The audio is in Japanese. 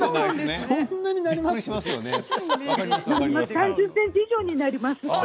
３０ｃｍ以上になります。